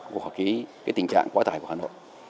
của cái tình trạng quá tải của hà nội